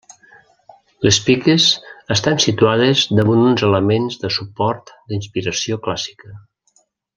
Les piques estan situades damunt uns elements de suport d'inspiració clàssica.